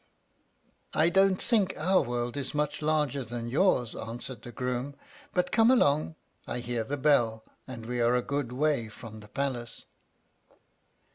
"I don't think our world is much larger than yours," answered the groom. "But come along: I hear the bell, and we are a good way from the palace."